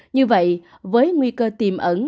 như vậy với nguy cơ tìm ẩn